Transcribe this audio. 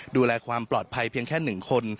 ดูแลความปลอดภัยเพียงแค่๑คน